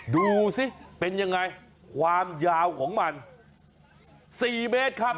ดูสิเป็นยังไงความยาวของมัน๔เมตรครับ